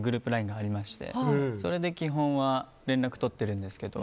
ＬＩＮＥがありましてそれで基本は連絡とってるんですけど。